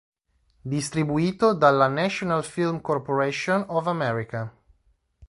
Distribuito dalla "National Film Corporation of America".